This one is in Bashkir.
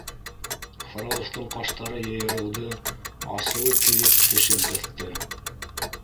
Фроловтың ҡаштары йыйырылды, асыуы килеп, тешен ҡыҫты.